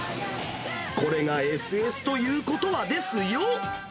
これがＳＳということはですよ。